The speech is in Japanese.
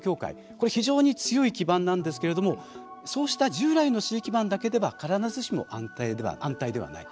これ非常に強い基盤なんですけれどもそうした従来の支持基盤だけでは必ずしも安泰ではない。